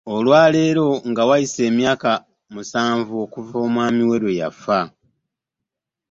Olwaleero nga wayise emyaka musanvu okuva omwami we lwe yafa.